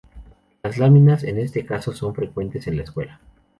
Las láminas, en este caso, son frecuentes en la escuela.